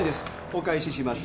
お返しします。